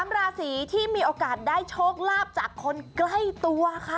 ราศีที่มีโอกาสได้โชคลาภจากคนใกล้ตัวค่ะ